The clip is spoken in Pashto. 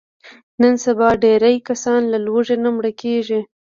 نن سبا ډېری کسان له لوږې نه مړه کېږي.